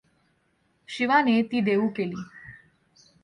शिवाने ती देऊ केली.